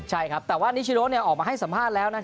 ใช่ครับแต่ว่านิชโนออกมาให้สัมภาษณ์แล้ว